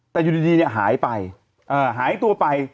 แต่อยู่ดีหายไปหายตัวไป